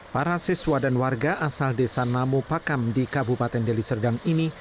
para siswa dan warga asal desa nom pakam di kabupaten deliserdang ini